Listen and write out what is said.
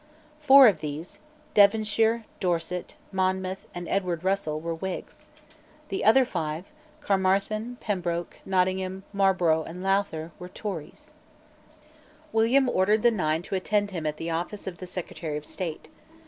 Four of these, Devonshire, Dorset, Monmouth, and Edward Russell, were Whigs. The other five, Caermarthen, Pembroke, Nottingham, Marlborough, and Lowther, were Tories, William ordered the Nine to attend him at the office of the Secretary of State.